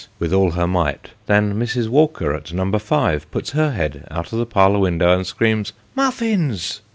" with all her might, than Mrs. Walker, at No. 5, puts her head out of the parlour window, and screams " Muffins